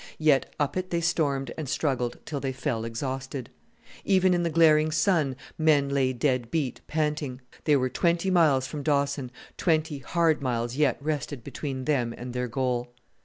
Yet up it they stormed and struggled till they fell exhausted. Even in the glaring sun men lay dead beat, panting. They were twenty miles from Dawson; twenty hard miles yet rested between them and their goal!